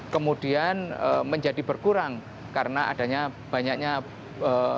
kemudian menjadi berkurang karena adanya banyaknya ee